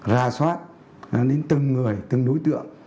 ra soát đến từng người từng đối tượng